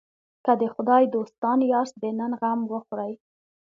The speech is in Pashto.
که د خدای دوستان یاست د نن غم وخورئ.